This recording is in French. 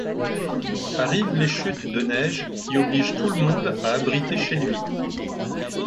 Arrivent les chutes de neige qui obligent tout le monde à abriter chez lui.